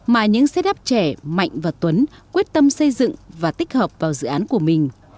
mà những xe đáp trẻ mạnh và tuấn quyết tâm xây dựng và tích hợp vào dự án của mình